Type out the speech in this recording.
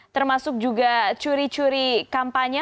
termasuk juga curi curi kampanye